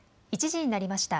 １時になりました。